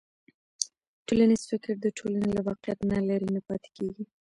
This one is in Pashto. ټولنیز فکر د ټولنې له واقعیت نه لرې نه پاتې کېږي.